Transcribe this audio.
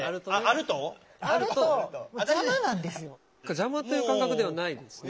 邪魔という感覚ではないですね